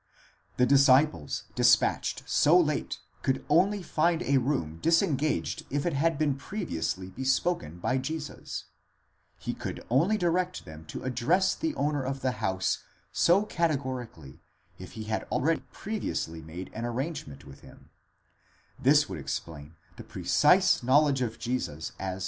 The disciples, dispatched so late, could only find a room disengaged if it had been previously bespoken by Jesus; he could only direct them to address: the owner of the house so categorically, if he had already previously made an arrangement with him ; this would explain the precise knowledge of Jesus as.